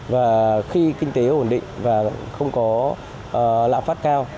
và khi kinh tế ổn định và không có lạm phát cao